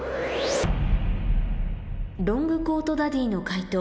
ロングコートダディの解答